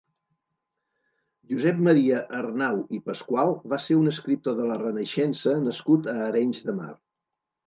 Josep Maria Arnau i Pascual va ser un escriptor de la Renaixença nascut a Arenys de Mar.